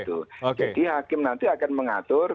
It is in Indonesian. jadi hakim nanti akan mengatur